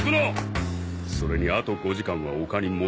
それにあと５時間はおかに戻れんよ。